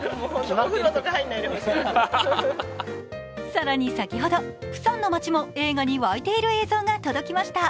更に先ほど、プサンの街も映画に沸いている映像が届きました。